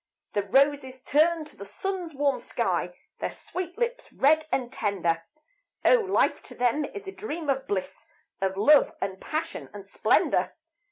The roses turn to the sun's warm sky, Their sweet lips red and tender; Oh! life to them is a dream of bliss, Of love, and passion, and splendour.